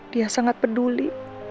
dia sangat peduli